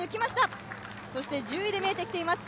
そして１０位で見えてきています